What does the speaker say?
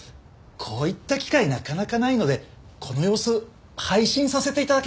こういった機会なかなかないのでこの様子配信させて頂けませんか？